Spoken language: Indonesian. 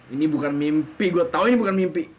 ini bukan mimpi gue tahu ini bukan mimpi